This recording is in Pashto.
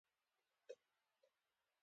د درواز هوا ډیره سړه ده